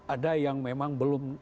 ada yang memang